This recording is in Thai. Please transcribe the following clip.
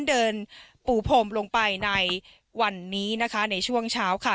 เดินปูพรมลงไปในวันนี้นะคะในช่วงเช้าค่ะ